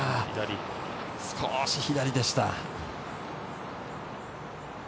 少し左でした。